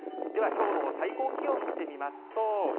ではきょうの最高気温、見てみますと。